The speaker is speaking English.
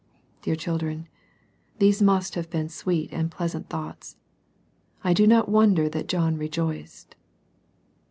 Dear children, these must have been sweet and pleasant thoughts. I do not wonder that John rejoiced.